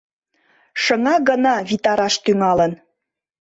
Шыҥа гына витараш тӱҥалын.